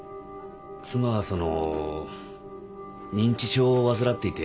妻はその認知症を患っていて。